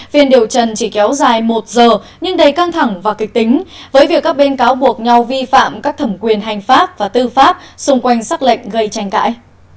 phiên điều trần chỉ kéo dài một giờ nhưng đầy căng thẳng và kịch tính với việc các bên cáo buộc nhau vi phạm các thẩm quyền hành pháp và tư pháp xung quanh xác lệnh gây tranh cãi